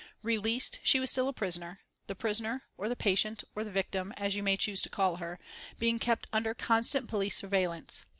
Released, she was still a prisoner, the prisoner, or the patient, or the victim, as you may choose to call her, being kept under constant police surveillance.